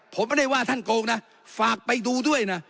ผมไม่ได้ว่าท่านโกงนะฝากไปดูด้วยนะ